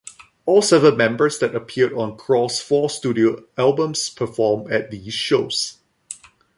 All seven members that appeared on craw's four studio albums performed at these shows.